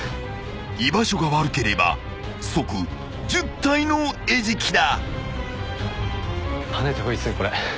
［居場所が悪ければ即１０体の餌食だ］